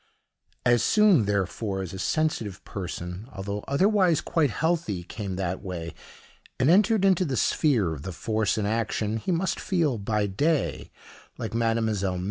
As soon, therefore, as a sensitive person, although otherwise quite healthy, came that way, and entered into the sphere of the force in action, he must feel, by day, like Mdlle.